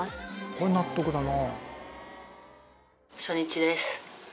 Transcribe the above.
これ納得だな。